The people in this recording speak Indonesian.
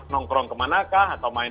nongkrong ke manakah atau belum pulang